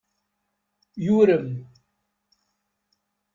Yurem.